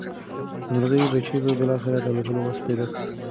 د مرغۍ بچي به بالاخره د الوتلو وس پیدا کړي.